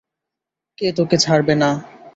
কে তাকে ছাড়বে না?